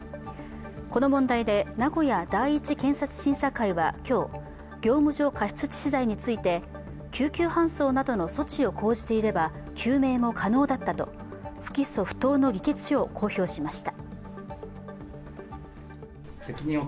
この問題で名古屋第一検察審査会は今日業務上過失致死罪について、救急搬送などの措置を講じていれば救命も可能だったと、不起訴不当の議決書を公表しました。